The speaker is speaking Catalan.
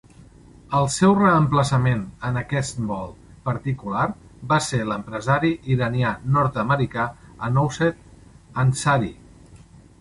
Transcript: El seu reemplaçament en aquest vol particular va ser l'empresari iranià-nord-americà Anousheh Ansari.